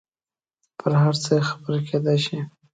پر هر څه یې خبره کېدای شي.